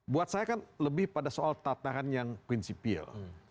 buat saya kan lebih pada soal tataran yang prinsipil